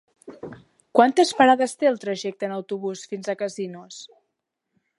Quantes parades té el trajecte en autobús fins a Casinos?